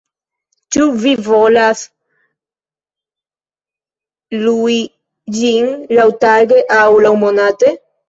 Ĉu vi volas lui ĝin laŭtage aŭ laŭmonate?